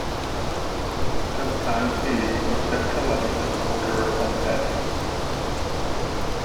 Sometimes he is conceptualized as "conqueror of death".